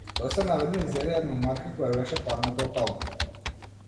Тој се наведна и зеде една марка која беше падната од албумот.